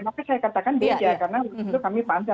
maka saya katakan bekerja karena waktu itu kami pansel